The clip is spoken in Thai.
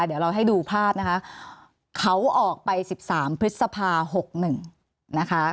เดี๋ยวเราให้ดูภาพนะคะเขาออกไป๑๓พฤษภา๖๑นะคะ